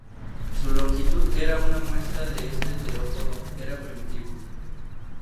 Su longitud era una muestra de este terópodo era primitivo.